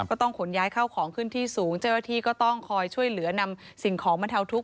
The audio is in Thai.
ก็ต้องขนย้ายเข้าของขึ้นที่สูงเจ้าหน้าที่ก็ต้องคอยช่วยเหลือนำสิ่งของบรรเทาทุกข